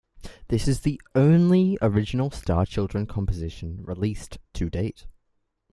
This is the only original Starchildren composition released to date.